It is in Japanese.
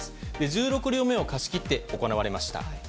１６両目を貸し切って行われました。